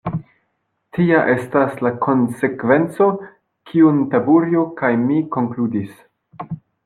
Tia estas la konsekvenco, kiun Taburio kaj mi konkludis.